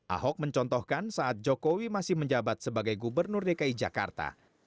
ahok mencontohkan saat jokowi masih menjabat sebagai gubernur dki jakarta